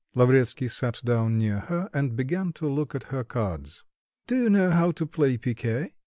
Lavretsky sat down near her, and began to look at her cards. "Do you know how to play picquet?"